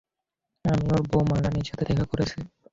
আমি ওর বৌমা রানীর সাথে দেখা করেছি।